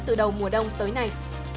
từ đầu mùa đông tới nay